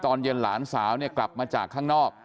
ตอนเย็นหลานสาวเนี่ยกลับมาจากข้างนอก